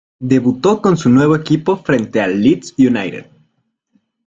Debutó con su nuevo equipo frente al Leeds United.